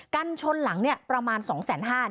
กันชนหลังประมาณ๒๕๐๐บาท